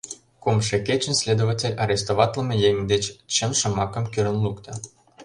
Кумшо кечын следователь арестоватлыме еҥ деч «чын шомакым» кӱрын лукто.